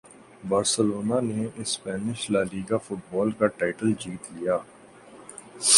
Barcelona نے Spanish La Liga football کا title جیت لیا